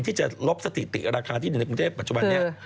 ที่จะลบสถิติราคาที่อยู่ในกรุงเทพปัจจุบันนี้